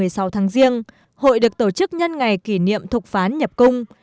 trong ngày mùng sáu tháng riêng hội được tổ chức nhân ngày kỷ niệm thục phán nhập cung